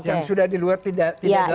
yang sudah di luar tidak dalam kapasitas